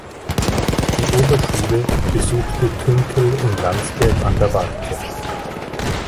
Die Oberschule besuchte Künkel in Landsberg an der Warthe.